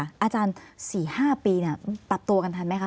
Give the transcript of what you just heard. อาจารย์๔๕ปีปรับตัวกันทันไหมคะ